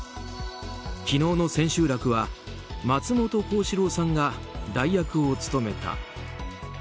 昨日の千秋楽は松本幸四郎さんが代役を務めた。